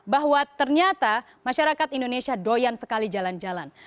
bahwa ternyata masyarakat indonesia doyan sekali jalan jalan